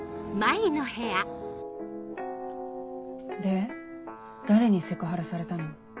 で誰にセクハラされたの？